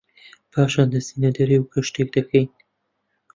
پاشان دەچینە دەرێ و گەشتێک دەکەین